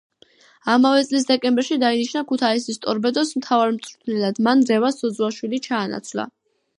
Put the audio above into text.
ამავე წლის დეკემბერში დაინიშნა ქუთაისის „ტორპედოს“ მთავარ მწვრთნელად, მან რევაზ ძოძუაშვილი ჩაანაცვლა.